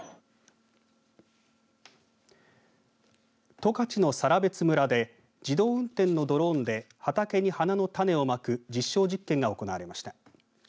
十勝の更別村で自動運転のドローンで畑に花の種をまく実証実験が行われました。